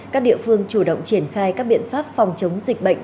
các địa phương chủ động triển khai các biện pháp phòng chống dịch bệnh